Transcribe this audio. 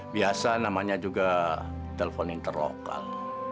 biasa namanya juga telepon interlokal